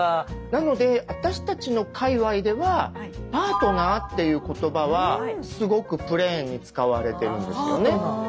なので私たちの界わいではパートナーっていう言葉はすごくプレーンに使われてるんですよね。